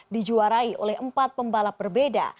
dijuarai oleh empat pembalap berbeda